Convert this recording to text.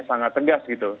sangat tegas gitu